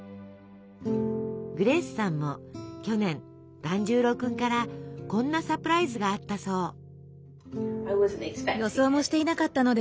グレースさんも去年團十郎くんからこんなサプライズがあったそう。